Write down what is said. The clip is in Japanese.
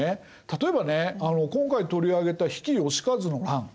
例えばね今回取り上げた比企能員の乱。